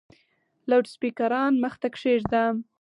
لوډسپیکران مخ ته کښېږده !